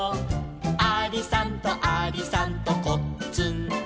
「ありさんとありさんとこっつんこ」